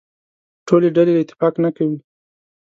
ټولې ډلې اتفاق نه کوي.